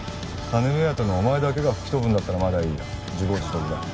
金目当てのお前だけが吹き飛ぶんだったらまだいいよ自業自得だ